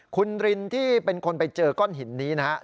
คุณรินที่เป็นคนไปเจอก้อนหินนี้นะฮะ